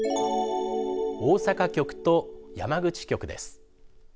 大阪局と山口局です。